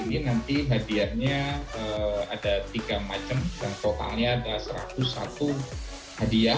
ini nanti hadiahnya ada tiga macam dan totalnya ada satu ratus satu hadiah